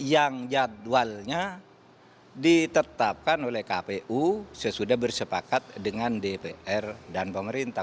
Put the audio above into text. yang jadwalnya ditetapkan oleh kpu sesudah bersepakat dengan dpr dan pemerintah